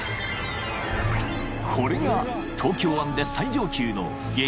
［これが東京湾で最上級の激